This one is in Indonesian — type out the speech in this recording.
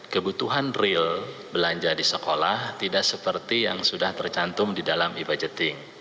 kebutuhan real belanja di sekolah tidak seperti yang sudah tercantum di dalam e budgeting